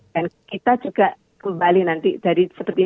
dan kita juga kembali nanti